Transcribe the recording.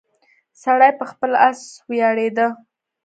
سړی په خپل اس ویاړیده.